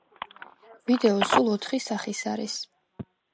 ვიდეო სულ ოთხი სახის არის.